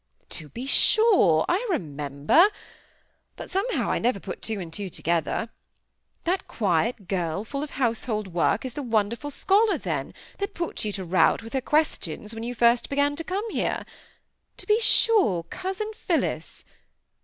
"To be sure! I remember! But somehow I never put two and two together. That quiet girl, full of household work, is the wonderful scholar, then, that put you to rout with her questions when you first began to come here. To be sure, 'Cousin Phillis!